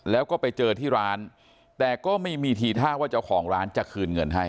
แล้วก็ไปเจอที่ร้านแต่ก็ไม่มีทีท่าว่าเจ้าของร้านจะคืนเงินให้